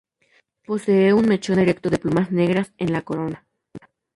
Posee un mechón erecto de plumas negras en la corona.